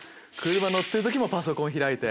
車乗ってる時もパソコン開いて。